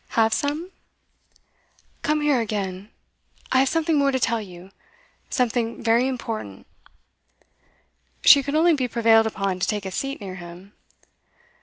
'Have some?' 'Come here again. I've something more to tell you. Something very important.' She could only be prevailed upon to take a seat near him.